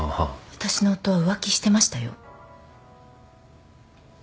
私の夫は浮気してましたよ。